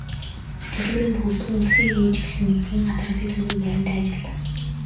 Жижүүрийн бүрэлдэхүүн үзлэгээ хийж эхлэн хэргийн газраас эд мөрийн баримт хайж байлаа.